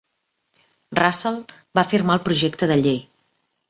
Russell va firmar el projecte de llei.